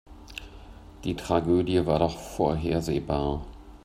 Die Tragödie war doch vorhersehbar.